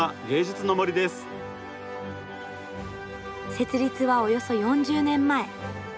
設立はおよそ４０年前。